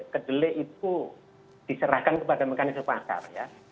kedelai itu diserahkan kepada mekanisme pasar ya